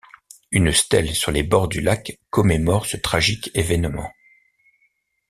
Une stèle sur les bords du lac commémore ce tragique événement.